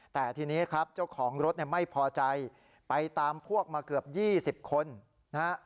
แต่ทีนี้ครับเจ้าของรถเนี่ยไม่พอใจไปตามพวกมาเกือบ๒๐คนนะฮะ